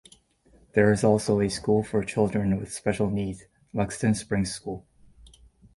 There is also a school for children with special needs, Lexden Springs School.